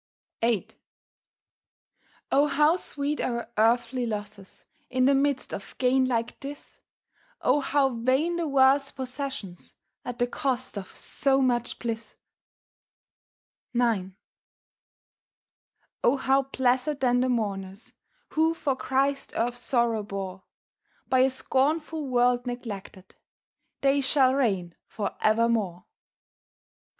VIII O how sweet our earthly losses, In the midst of gain like this! O how vain the world's possessions, At the cost of so much bliss! IX O how blessèd then the mourners, Who for Christ earth's sorrow bore, By a scornful world neglected! They shall reign for evermore.